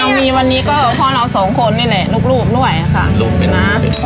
ยังมีวันนี้ก็พ่อเราสองคนนี่แหละลูกด้วยค่ะลูกด้วยนะ